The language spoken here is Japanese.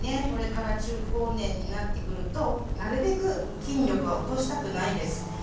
これから中高年になってくるとなるべく筋力は落としたくないです。